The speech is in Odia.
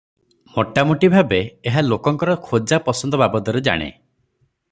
ମୋଟାମୋଟି ଭାବେ ଏହା ଲୋକଙ୍କର ଖୋଜା ପସନ୍ଦ ବାବଦରେ ଜାଣେ ।